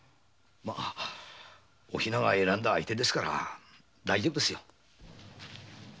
お比奈が選んだ相手ですから大丈夫ですよ。